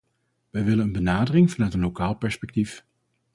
Wij willen een benadering vanuit een lokaal perspectief.